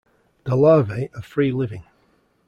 The larvae are free living.